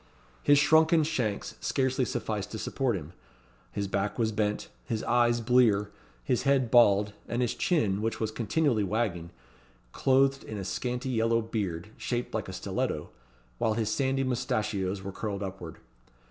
His shrunken shanks scarcely sufficed to support him; his back was bent; his eyes blear; his head bald; and his chin, which was continually wagging, clothed with a scanty yellow beard, shaped like a stiletto, while his sandy moustachios were curled upward.